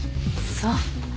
そう。